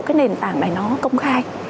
cái nền tảng này nó công khai